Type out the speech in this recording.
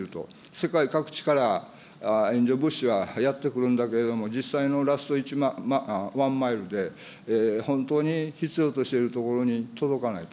世界各地から援助物資はやって来るんだけれども、実際のラストワンマイルで、本当に必要としているところに届かないと。